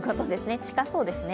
近そうですね。